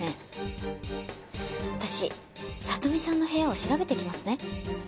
私里美さんの部屋を調べてきますね。